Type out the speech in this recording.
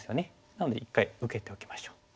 なので一回受けておきましょう。